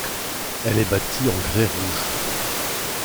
Elle est bâtie en grès rouge.